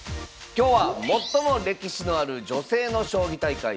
今日は最も歴史のある女性の将棋大会。